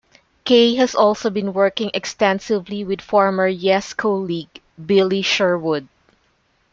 Kaye has also been working extensively with former Yes colleague, Billy Sherwood.